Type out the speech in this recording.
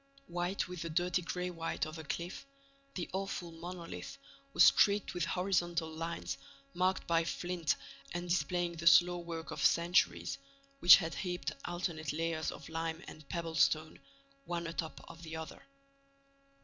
White with the dirty gray white of the cliff, the awful monolith was streaked with horizontal lines marked by flint and displaying the slow work of the centuries, which had heaped alternate layers of lime and pebble stone one atop of the other.